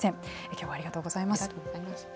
きょうはありがとうございます。